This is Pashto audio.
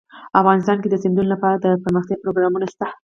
افغانستان کې د سیندونه لپاره دپرمختیا پروګرامونه شته.